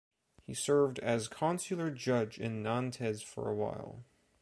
He served as consular judge in Nantes for a while.